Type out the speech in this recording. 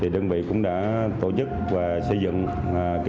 đơn vị cũng đã tổ chức và xây dựng